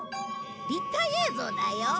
立体映像だよ。